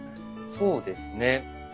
そうですね。